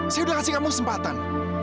saya udah kasih kamu kesempatan